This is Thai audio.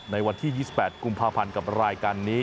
ในวันที่๒๘กุมภาพันธ์กับรายการนี้